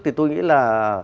thì tôi nghĩ là